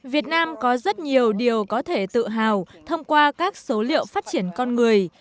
việt nam có rất nhiều điều có thể tự hào thông qua các số liệu phát triển con người